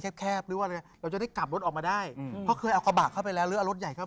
แจ๊คจิลวันนี้เขาสองคนไม่ได้มามูเรื่องกุมาทองอย่างเดียวแต่ว่าจะมาเล่าเรื่องประสบการณ์นะครับ